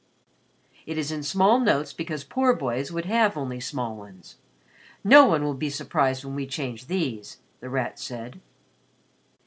"It is in small notes because poor boys would have only small ones. No one will be surprised when we change these," The Rat said.